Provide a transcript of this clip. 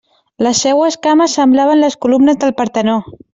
Les seues cames semblaven les columnes del Partenó.